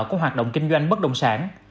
của hoạt động kinh doanh bất động sản